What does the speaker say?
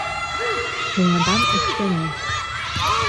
Һуңынан өҫтәне: